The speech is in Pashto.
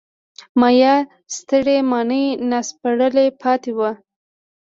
د مایا سترې ماڼۍ ناسپړلي پاتې وو.